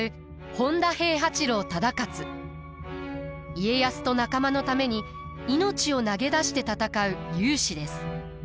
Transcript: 家康と仲間のために命を投げ出して戦う勇士です。